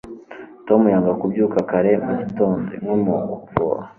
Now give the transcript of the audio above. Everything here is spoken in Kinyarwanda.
tom yanga kubyuka kare mu gitondo. (inkomoko_voa